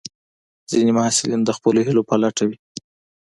ځینې محصلین د خپلو هیلو په لټه وي.